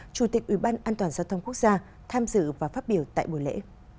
chủ tịch ủy ban an toàn giao thông quốc gia tham dự và phát biểu tại buổi lễ